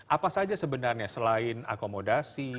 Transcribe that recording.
apa saja sebenarnya selain akomodasi